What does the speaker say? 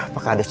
pak kades itu